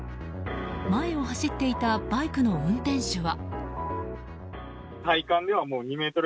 前を走っていたバイクの運転手は。